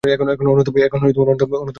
এখন অনুতাপ করতে হবে।